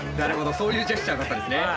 そういうジェスチャーだったんですね。